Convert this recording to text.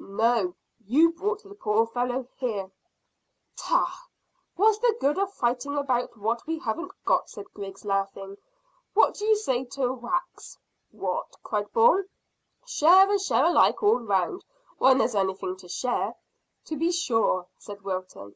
"No; you brought the poor fellow here." "Tchah! What's the good of fighting about what we haven't got?" said Griggs, laughing. "What do you say to whacks?" "What!" cried Bourne. "Share and share alike all round, when there's anything to share." "To be sure," said Wilton.